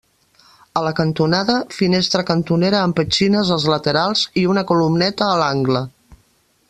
A la cantonada, finestra cantonera amb petxines als laterals i una columneta a l'angle.